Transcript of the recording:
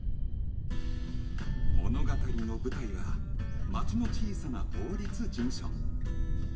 物語の舞台は町の小さな法律事務所